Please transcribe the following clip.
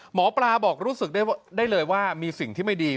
หมอปลาบอกรู้สึกได้เลยว่ามีสิ่งที่ไม่ดี